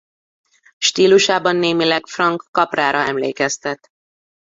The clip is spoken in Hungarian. Stílusában némileg Frank Caprára emlékeztet.